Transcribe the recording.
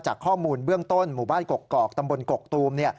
ข้อมูลเบื้องต้นหมู่บ้านกกอกตำบลกกตูม